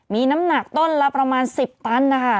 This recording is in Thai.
มีน้ำหนักต้นละประมาณ๑๐ตันนะคะ